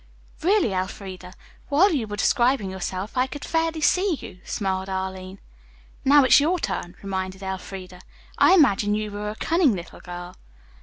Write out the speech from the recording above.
"Really, Elfreda, while you were describing yourself I could fairly see you," smiled Arline. "Now it's your turn," reminded Elfreda. "I imagine you were a cunning little girl."